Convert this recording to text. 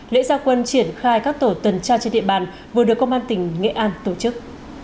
lễ gia quân triển khai các tổ tuần tra trên địa bàn vừa được công an tỉnh nghệ an tổ chức